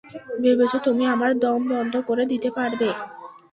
ভেবেছ তুমি আমার দম বন্ধ করে দিতে পারবে?